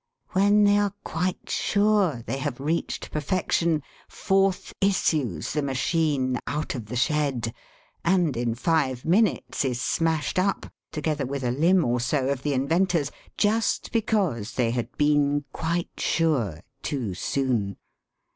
When they are quite sure they have reached perfection, forth issues the machine out of the shed and in five minutes is smashed up, together with a limb or so of the inventors, just because they had been quite sure too soon.